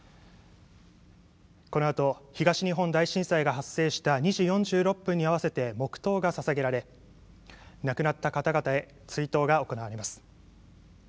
このあと東日本大震災が発生した２時４６分に合わせて黙とうがささげられ亡くなった方々へ追悼が行われます。